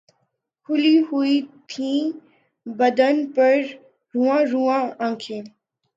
کھُلی ہوئی تھیں بدن پر رُواں رُواں آنکھیں